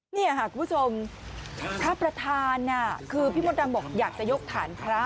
นี่ค่ะคุณผู้ชมพระประธานคือพี่มดดำบอกอยากจะยกฐานพระ